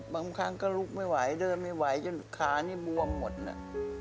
บางครั้งก็ลุกไม่ไหวเดินไม่ไหวจนขานี่บวมหมดน่ะ